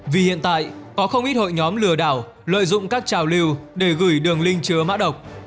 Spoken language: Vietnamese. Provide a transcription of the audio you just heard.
vì hiện tại có không ít hội nhóm lừa đảo lợi dụng các trào lưu để gửi đường link chứa mã độc